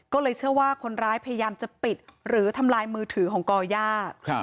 ก็เลยเชื่อว่าคนร้ายพยายามจะปิดหรือทำลายมือถือของก่อย่า